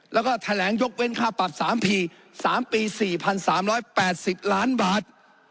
แล้วก็แถลงยกเว้นค่าปรับ๓ผี๓ปี๔๓๘๐ล้านบาท